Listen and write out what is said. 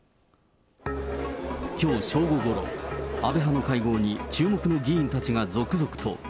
きょう正午ごろ、安倍派の会合に注目の議員たちが続々と。